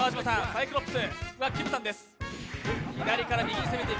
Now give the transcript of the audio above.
サイクロップスはきむさんです。